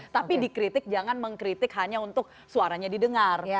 tapi dikritik jangan mengkritik hanya untuk suaranya didengar